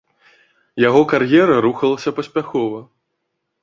Яго кар'ера рухалася паспяхова.